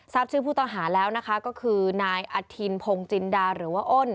ชื่อผู้ต้องหาแล้วนะคะก็คือนายอธินพงจินดาหรือว่าอ้น